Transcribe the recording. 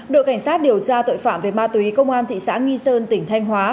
đội cảnh sát điều tra tội phạm về ma túy công an thị xã nghi sơn tỉnh thanh hóa